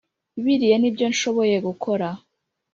biriya nibyonshoboye gukora